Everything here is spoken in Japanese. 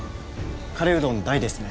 カレーうどん大ですね